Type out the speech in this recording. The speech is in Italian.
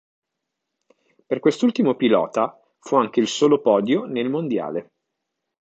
Per quest'ultimo pilota fu anche il solo podio nel mondiale.